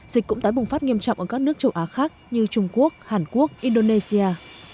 dịch cũng tái bùng phát nghiêm trọng ở các nước châu á khác như trung quốc hàn quốc indonesia